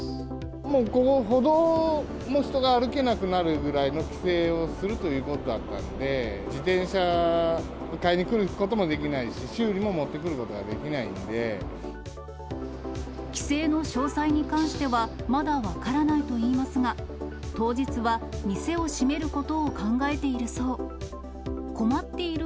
もう、ここ、歩道も人が歩けなくなるくらいの規制をするということだったんで、自転車を買いに来ることもできないし、修理も持ってくることがで規制の詳細に関してはまだ分からないといいますが、当日は店を閉めることを考えているそう。